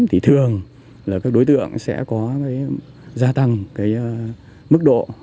thì thường là các đối tượng sẽ có gia tăng mức độ